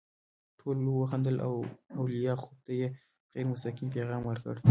ټولو وخندل او لیاخوف ته یې غیر مستقیم پیغام ورکړ